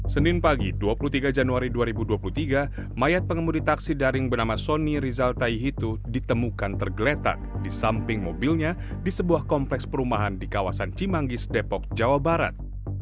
senin pagi dua puluh tiga januari dua ribu dua puluh tiga mayat pengemudi taksi daring bernama sony rizal taihitu ditemukan tergeletak di samping mobilnya di sebuah kompleks perumahan di kawasan cimanggis depok jawa barat